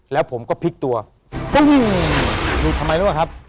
แล้วผมก็พลิกตัวปึ้งดูทำไมแล้วครับ